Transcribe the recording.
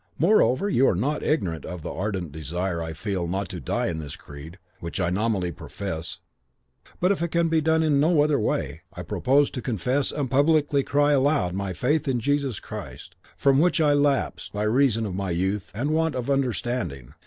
Moreover, you are not ignorant of the ardent desire I feel not to die in this creed, which I nominally profess; but if it can be done in no other way, I propose to confess and publicly cry aloud my faith in Jesus Christ, from which I lapsed by reason of my youth and want of understanding.